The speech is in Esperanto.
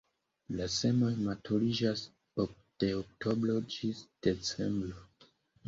La semoj maturiĝas de oktobro ĝis decembro.